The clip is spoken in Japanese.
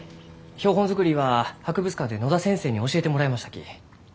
標本作りは博物館で野田先生に教えてもらいましたき。